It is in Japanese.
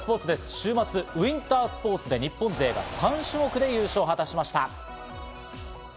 週末、ウインタースポーツで日本勢３種目で優勝を果たしました。